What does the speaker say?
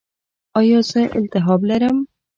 ایا زه التهاب لرم؟